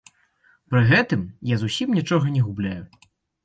Пры гэтым я зусім нічога не губляю.